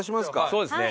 そうですね。